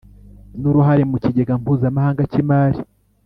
n uruhare mu Kigega Mpuzamahanga cy Imari